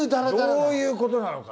どういうことなのか。